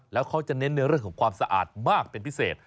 แล้วเขาจะเน้นในเรื่องของความสะอาดมากเป็นพิเศษ